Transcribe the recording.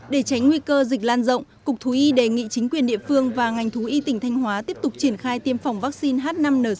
để tránh nguy cơ dịch lan rộng cục thú y đề nghị chính quyền địa phương và ngành thú y tỉnh thanh hóa tiếp tục triển khai tiêm phòng vaccine h năm n sáu